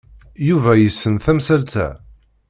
Yuba yessen tamsalt-a.